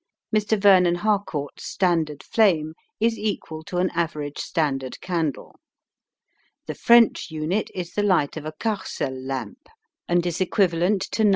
Mr. Vernon Harcourt's standard flame is equal to an average standard candle. The French Unit is the light of a Carcel lamp, and is equivalent to 9 T/Z British units.